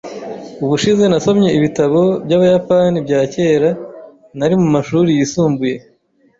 Ubushize nasomye ibitabo byabayapani bya kera nari mumashuri yisumbuye.